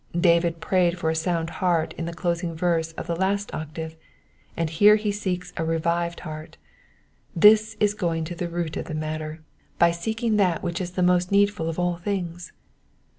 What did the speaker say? David prayed for a sound heart in the closing verse of the last octave, and here he seeks a revived heart ; this is going to the roet of the matter, by seeking that which is the most needful of all things.